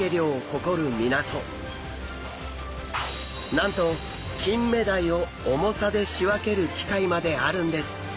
なんとキンメダイを重さで仕分ける機械まであるんです。